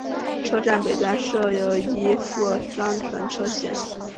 车站北端设有一副双存车线。